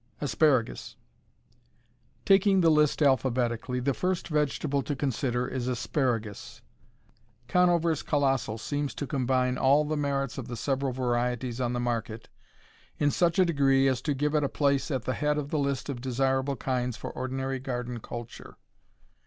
Asparagus Taking the list alphabetically, the first vegetable to consider is asparagus. Conover's Colossal seems to combine all the merits of the several varieties on the market in such a degree as to give it a place at the head of the list of desirable kinds for ordinary garden culture.